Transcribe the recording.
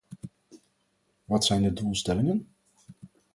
Wat zijn de doelstellingen?